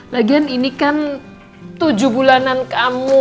nagian ini kan tujuh bulanan kamu